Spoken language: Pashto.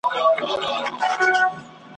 دوی تماشې ته ورلره راسي ,